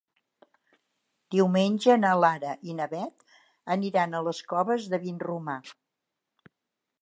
Diumenge na Lara i na Beth aniran a les Coves de Vinromà.